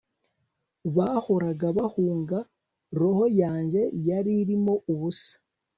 bahoraga bahunga; roho yanjye yari irimo ubusa